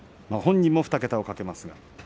本人も２桁を懸けます。